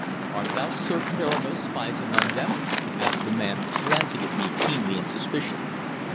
"Art thou certain there are no spies among them?" asked the man, glancing at me keenly in suspicion.